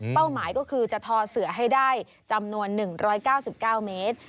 หมายก็คือจะทอเสือให้ได้จำนวน๑๙๙เมตร